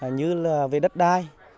như là về đất đai